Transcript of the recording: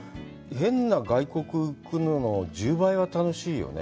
変な外国より１０倍は楽しいよね？